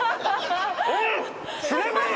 おい！